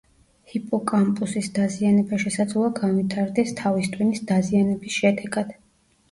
ჰიპოკამპუსის დაზიანება შესაძლოა განვითარდეს თავის ტვინის დაზიანების შედეგად.